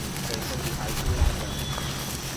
最中意睇師奶劇